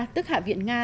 tức hạ viện nga